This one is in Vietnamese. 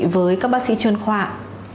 với các bác sĩ chuyên khuôn